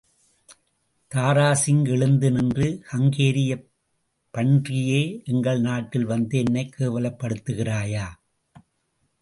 தாராசிங் எழுந்து நின்று, ஹங்கேரிப் பன்றியே! எங்கள் நாட்டில் வந்து என்னைக் கேவலப்படுத்துகிறாயா?